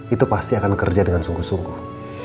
itu pasti akan kerja dengan sungguh sungguh